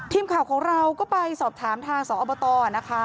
ทีมข่าวของเราก็ไปสอบถามทางสอบตนะคะ